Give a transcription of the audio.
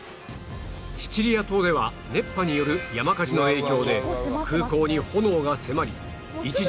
シチリア島では熱波による山火事の影響で空港に炎が迫り一時閉鎖する事態に